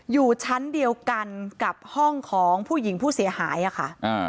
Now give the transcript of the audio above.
อยู่ชั้นเดียวกันกับห้องของผู้หญิงผู้เสียหายค่ะ